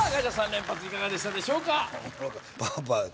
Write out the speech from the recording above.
３連発いかがでしたでしょうか？